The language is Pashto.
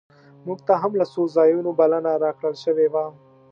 مونږ ته هم له څو ځایونو بلنه راکړل شوې وه.